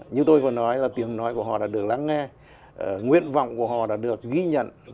như tôi vừa nói là tiếng nói của họ đã được lắng nghe nguyện vọng của họ đã được ghi nhận